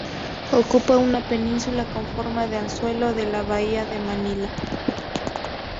Ocupa una península con forma de anzuelo en la bahía de Manila.